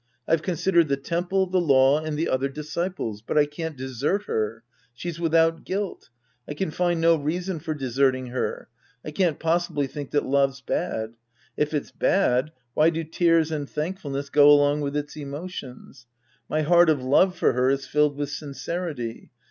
I've considered the temple, the law and the other disciples. But I can't desert her. She's without guilt. I can find no reason for deserting her. I can't possibly think that love's bad. If it's bad, why do tears and thankfulness go along with its emotions ? My heart of love for her is filled with sincerity.